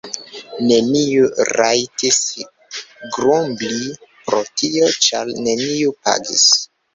Neniu rajtis grumbli pro tio, ĉar neniu pagis.